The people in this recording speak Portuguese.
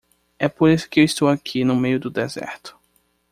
É por isso que estou aqui no meio do deserto.